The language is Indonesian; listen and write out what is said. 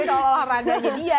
package olahraga aja dia